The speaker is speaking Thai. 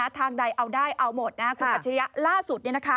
ทางใดเอาได้เอาหมดคุณอัจฉริยะล่าสุด